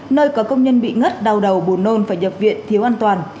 nơi có công nhân bị ngất đau đầu buồn nôn phải nhập viện thiếu an toàn